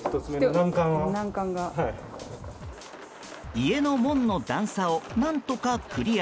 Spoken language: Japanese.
家の門の段差を何とかクリア。